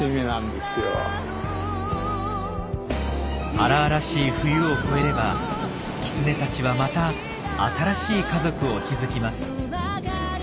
荒々しい冬を越えればキツネたちはまた新しい家族を築きます。